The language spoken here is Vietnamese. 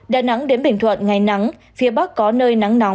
đà nẵng đến bình thuận ngày nắng phía bắc có nơi nắng nóng